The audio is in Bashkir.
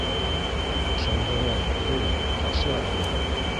Шәңгәрәй, ҡуй, ташла әле!